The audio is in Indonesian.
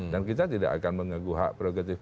dan kita tidak akan mengeguh hak prerogatif